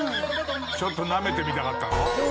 「ちょっとなめてみたかったの？」